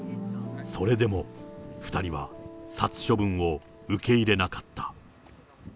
それでも２人は殺処分を受け入れなかった。